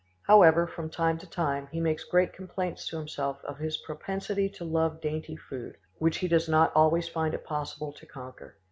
However, from time to time, he makes great complaints to himself of his propensity to love dainty food, which he does not always find it possible to conquer.